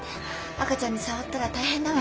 赤ちゃんに障ったら大変だわ。